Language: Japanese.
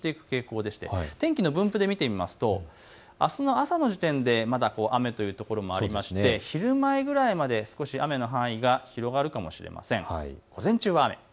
だんだん回復していく傾向でして天気の分布で見ていきますとあすの朝の時点でまだ雨というところもありまして昼前からまで少し雨の範囲が広がるかもしれません。